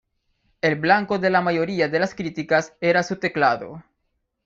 El blanco de la mayoría de las críticas era su teclado.